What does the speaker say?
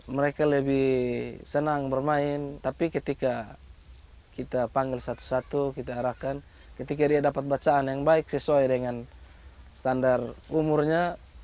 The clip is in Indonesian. mereka lebih senang bermain tapi ketika kita panggil satu satu kita arahkan ketika dia dapat bacaan yang baik sesuai dengan standar umurnya